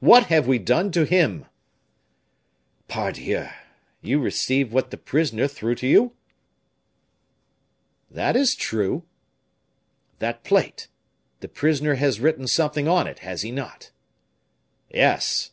What have we done to him?" "Pardieu! You received what the prisoner threw to you?" "That is true." "That plate the prisoner has written something on it, has he not?" "Yes."